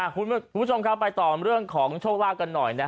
คุณผู้ชมครับไปต่อเรื่องของโชคลาภกันหน่อย